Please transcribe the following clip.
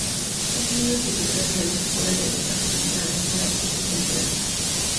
Es muy utilizada en el campo de la educación para tomar apuntes en clase.